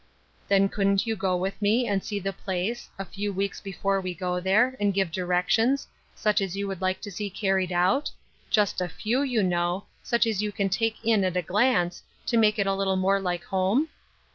" Then couldn't you go with me and see the place, a few weeks before we go there, and give directions, such as you would like to see carried out? — just a few, you know, such as you can take in at a glance, to make it a little more like home